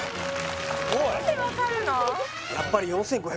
何で分かるの？